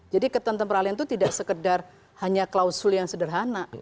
jadi ketentuan peralihan itu tidak sekedar hanya klausul yang sederhana